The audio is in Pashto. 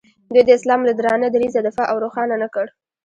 دوی د اسلام له درانه دریځه دفاع او روښانه نه کړ.